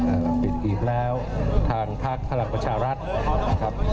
เอ่อปิดอีกแล้วทางภาคธรรมประชารัฐครับ